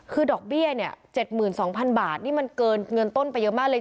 คือดอกเบี้ยเนี่ยเจ็ดหมื่นสองพันบาทนี่มันเกินเงินต้นไปเยอะมากเลย